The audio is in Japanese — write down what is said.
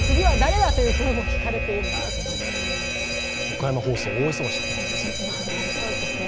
岡山放送、大忙しだと思います。